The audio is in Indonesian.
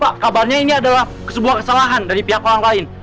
pak kabarnya ini adalah sebuah kesalahan dari pihak orang lain